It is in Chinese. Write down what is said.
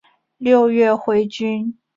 六月回军。